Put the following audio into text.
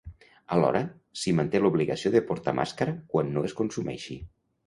Alhora, s’hi manté l’obligació de portar màscara quan no es consumeixi.